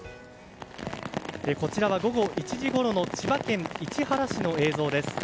こちらは午後１時ごろの千葉県市原市の映像です。